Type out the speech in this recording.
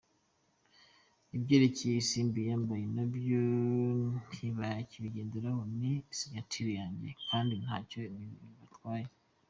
Ibyerekeye isimbi nambaye nabyo ntibakabitindeho ni signature yanjye, kandi ntacyo ribatwaye.